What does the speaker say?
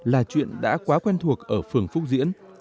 là chuyện đã quá quen thuộc ở phường phúc diễn